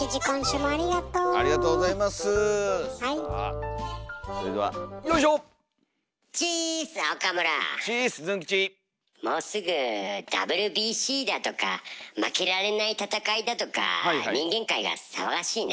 もうすぐＷＢＣだとか負けられない戦いだとか人間界が騒がしいな。